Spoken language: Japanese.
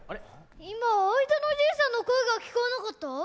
いまあいだのじいさんのこえがきこえなかった？